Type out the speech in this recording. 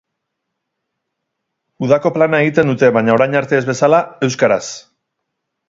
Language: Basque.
Udako plana egin dute, baina, orain arte ez bezala, euskaraz.